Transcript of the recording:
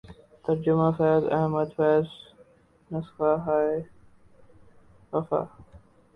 ترجمہ فیض احمد فیض نسخہ ہائے وفا